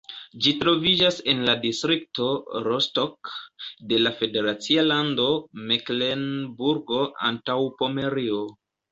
Ĝi troviĝas en la distrikto Rostock de la federacia lando Meklenburgo-Antaŭpomerio.